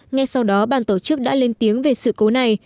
ngay sau đó ban tổ chức đã lên tiếng về sự cố này